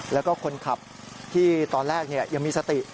แล้วก็คนขับที่ตอนแรกยังมีสติ